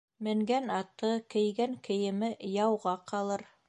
Менгән аты, кейгән кейеме яуға ҡалыр.